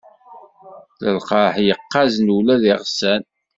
D lqerḥ yeqqazen ula d iɣsan.